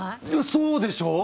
そうでしょう？